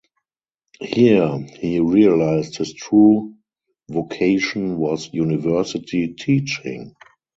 Here he realized his true vocation was university teaching.